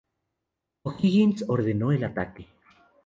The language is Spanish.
O'Higgins ordeno el ataque.